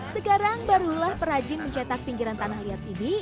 sekarang barulah perajin mencetak pinggiran to cayin talian ini